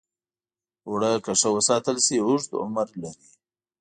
اوړه که ښه وساتل شي، اوږد عمر لري